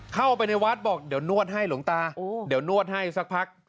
เข้าไปในวัดบอกเดี๋ยวนวดให้หลวงตาเดี๋ยวนวดให้สักพัก